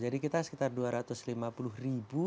jadi kita sekitar dua ratus lima puluh ribu